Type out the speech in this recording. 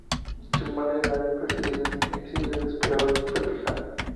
Su madre la había precedido en el exilio y la esperaba en Perpignan.